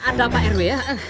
ada pak rw ya